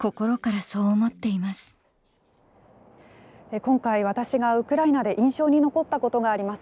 今回、私がウクライナで印象に残ったことがあります。